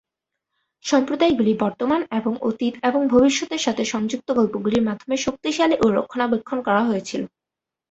সম্প্রদায়গুলি বর্তমান এবং অতীত এবং ভবিষ্যতের সাথে সংযুক্ত গল্পগুলির মাধ্যমে শক্তিশালী ও রক্ষণাবেক্ষণ করা হয়েছিল।